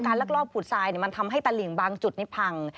ลักลอบขุดทรายมันทำให้ตลิ่งบางจุดนี้พัง